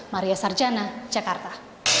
maria sarjana jakarta